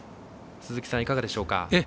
鈴木さん、いかがでしょうか？